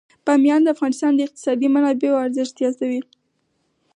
بامیان د افغانستان د اقتصادي منابعو ارزښت زیاتوي.